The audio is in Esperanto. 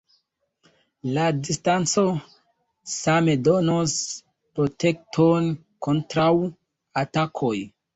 La distanco same donos protekton kontraŭ atakoj.